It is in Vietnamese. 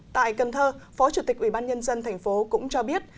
tại cần thơ phó chủ tịch ubnd thành phố cũng cho biết